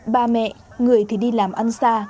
ba mẹ người thì đi làm ăn xa